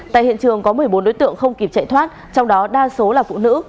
tại hiện trường có một mươi bốn đối tượng không kịp chạy thoát trong đó đa số là phụ nữ